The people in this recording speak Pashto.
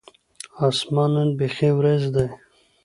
اسمان نن بیخي ور یځ دی